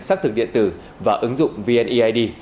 xác thực điện tử và ứng dụng vneid